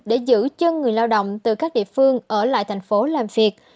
để giữ chân người lao động từ các địa phương ở lại thành phố làm việc